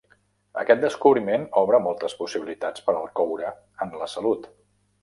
Aquest descobriment obre moltes possibilitats per al coure en la salut.